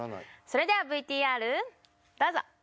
それではＶＴＲどうぞ！